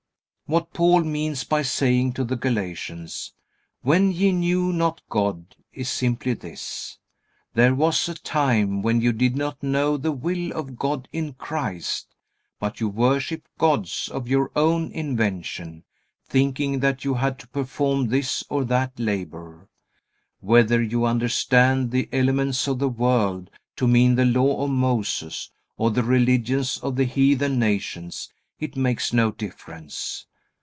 What Paul means by saying to the Galatians, "When ye knew not God," is simply this: "There was a time when you did not know the will of God in Christ, but you worshipped gods of your own invention, thinking that you had to perform this or that labor." Whether you understand the "elements of the world" to mean the Law of Moses, or the religions of the heathen nations, it makes no difference.